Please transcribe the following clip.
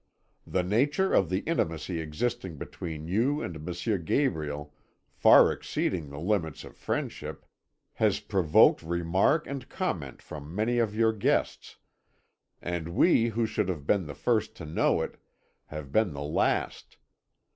The nature of the intimacy existing between you and M. Gabriel, far exceeding the limits of friendship, has provoked remark and comment from many of your guests, and we who should have been the first to know it, have been the last.